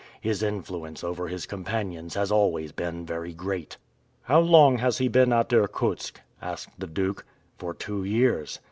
His influence over his companions has always been very great." "How long has he been at Irkutsk?" asked the Duke. "For two years."